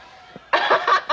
アハハハ！